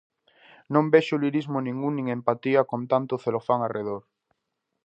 Non vexo lirismo ningún, nin empatía con tanto celofán arredor.